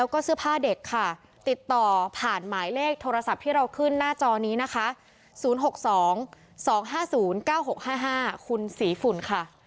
คุณสีฝุ่นค่ะ